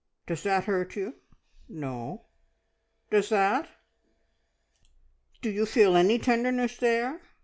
"Does that hurt you? No? Does that? Do you feel any tenderness there?